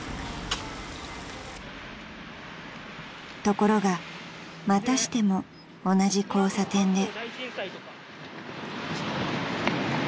［ところがまたしても同じ交差点で］